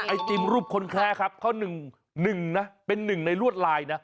ไอติมรูปคนแคล้ครับเขา๑นะเป็นหนึ่งในลวดลายนะ